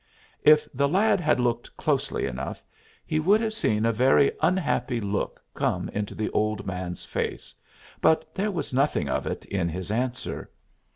If the lad had looked closely enough, he would have seen a very unhappy look come into the old man's face; but there was nothing of it in his answer.